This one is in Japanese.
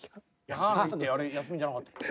母の日ってあれ休みじゃなかったっけ？